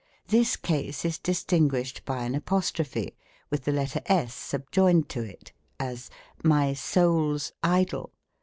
This case is dis tinguished by an apostrophe, with the letter s subjoined to it : as, "My souPs idol